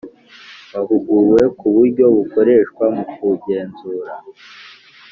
Bahuguwe ku uburyo bukoreshwa mu kugenzura